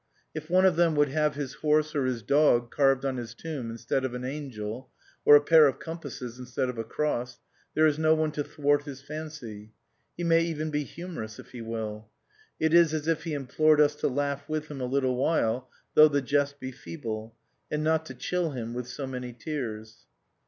If one of them would have his horse or his dog carved on his tomb instead of an angel, or a pair of compasses instead of a cross, there is no one to thwart his fancy. He may even be humorous if he will. It is as if he implored us to laugh with him a little while though the jest be feeble, and not to chill him with so many tears.